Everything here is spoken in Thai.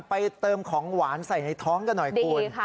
เติมของหวานใส่ในท้องกันหน่อยคุณ